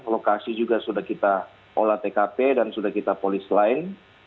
lokasi juga sudah kita olah tkp dan sudah kita polis lain